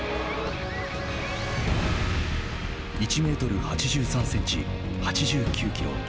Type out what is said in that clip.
１メートル８３センチ８９キロ。